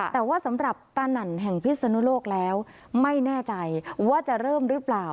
แต่ว่าสำหรับตานั่นแห่งพิศนุโลกแล้วไม่แน่ใจว่าจะเริ่มหรือเปล่า